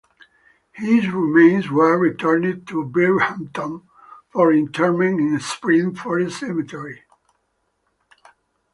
His remains were returned to Binghamton for interment in Spring Forest Cemetery.